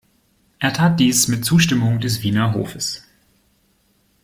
Er tat dies mit Zustimmung des Wiener Hofes.